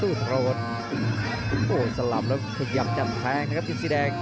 อู้วสล่ำแล้วพยายามจะแท้นะครับจิ้มสีแดง